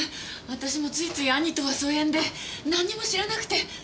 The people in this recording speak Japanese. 私もついつい兄とは疎遠でなんにも知らなくて。